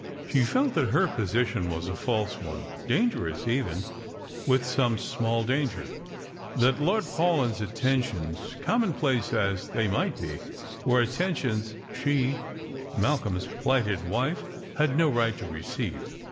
She felt that her position was a false one ; dangerous even, with some small danger ; that Lord Paulyn's attentions, com monplace as they might be, were attentions she, Malcolm's plighted wife, had no right to receive.